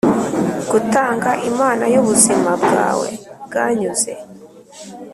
gutanga imana yubuzima bwawe bwanyuze.